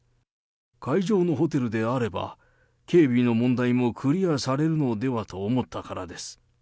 会場のホテルであれば、警備の問題もクリアされるのではと思ったからです。